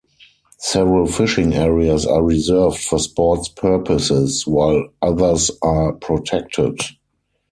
Several fishing areas are reserved for sports purposes, while others are protected.